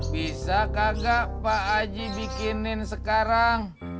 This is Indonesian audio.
bisa kagak pak haji bikinin sekarang